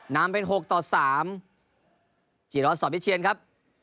นำเป็น๖ต่อ๓จิรวัตรสอนวิเชียนครับ